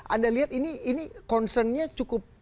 anda lihat ini concernnya cukup concern nggak untuk kesehatan